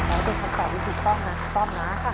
เอาเป็นคำตอบวิธีต้องนะครับต้องนะค่ะ